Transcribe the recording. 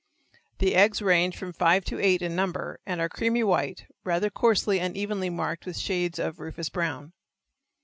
The eggs range from five to eight in number, and are creamy white, rather coarsely and evenly marked with shades of rufous brown.